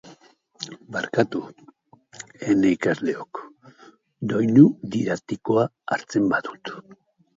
Barkatu, ene ikasleok, doinu didaktikoa hartzen badut.